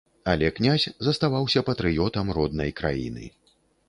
Але князь заставаўся патрыётам роднай краіны.